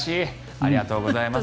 ありがとうございます。